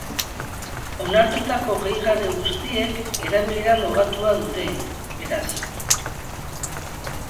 Onartutako gehigarri guztiek erabilera mugatua dute, beraz.